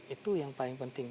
itu yang paling penting